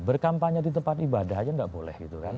berkampanye di tempat ibadah aja tidak boleh